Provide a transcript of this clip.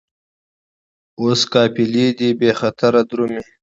اوس قافلې دي بې خطره درومي